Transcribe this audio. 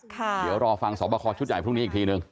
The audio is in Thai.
เดี๋ยวรอฟังสอบคอชุดใหญ่พรุ่งนี้อีกทีนึง